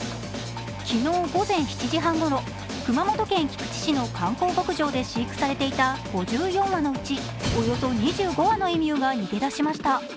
昨日午前７時半ごろ、熊本県菊池市の観光牧場で飼育されていた５４羽のうちおよそ２５羽のエミューが逃げ出しました。